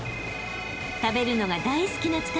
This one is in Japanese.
［食べるのが大好きな司君］